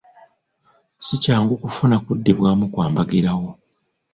Si kyangu kufuna kuddibwamu kwa mbagirawo.